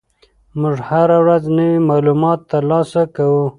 موږ هره ورځ نوي معلومات ترلاسه کوو.